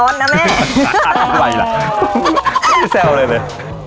ร้อนนะแม่อะไรละไม่แซวเลยเลย